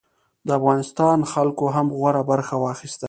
د افغانستان خلکو هم غوره برخه واخیسته.